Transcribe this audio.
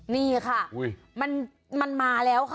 นี่ค่ะมันมาแล้วค่ะ